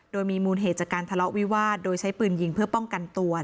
โดยมีมูลเหตุจากการทะเลาะวิวาสโดยใช้ปืนยิงเพื่อป้องกันตัว